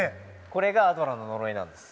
これがアドラーの呪いなんです。